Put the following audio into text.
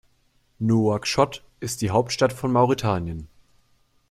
Nouakchott ist die Hauptstadt von Mauretanien.